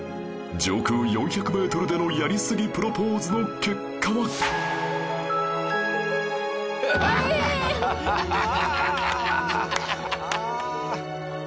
上空４００メートルでのやりすぎプロポーズの結果はええーっ！